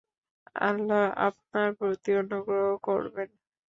আল্লাহ আপনার প্রতি অনুগ্রহ করবেন।